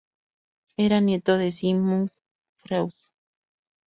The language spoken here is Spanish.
Era nieto de Sigmund Freud.